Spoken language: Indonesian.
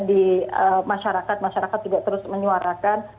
di masyarakat masyarakat juga terus menyuarakan